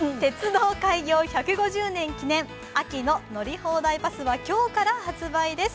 鉄道開業１５０年秋の乗り放題パスは今日から発売です。